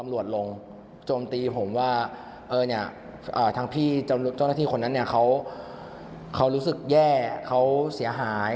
ลงโจมตีผมว่าทางพี่เจ้าหน้าที่คนนั้นเนี่ยเขารู้สึกแย่เขาเสียหาย